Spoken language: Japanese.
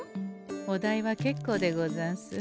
お代は結構でござんす。